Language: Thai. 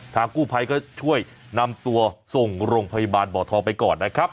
กู้ภัยก็ช่วยนำตัวส่งโรงพยาบาลบ่อทองไปก่อนนะครับ